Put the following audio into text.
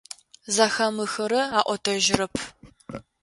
Зэхамыхырэ аӏотэжьырэп.